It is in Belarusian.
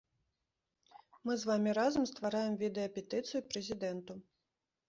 Мы з вамі разам ствараем відэапетыцыю прэзідэнту.